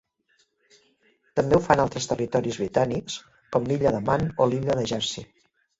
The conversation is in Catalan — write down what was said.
També ho fan altres territoris britànics com l'Illa de Man o l'Illa de Jersey.